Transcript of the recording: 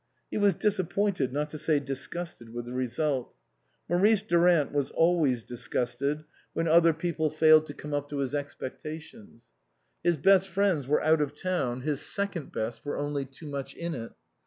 He was disappointed, not to say disgusted, with the result. (Maurice Durant was always disgusted when other people 38 INLAND failed to come up to his expectations.) His best friends were out of town, his second best were only too much in it.